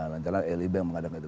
lancaran lib yang mengadakan itu